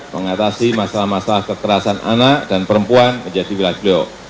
mengatasi masalah masalah kekerasan anak dan perempuan menjadi wilayah beliau